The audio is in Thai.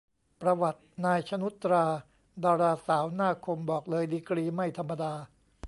ประวัติ นาย ชนุชตรา ดาราสาวหน้าคม บอกเลยดีกรีไม่ธรรมดา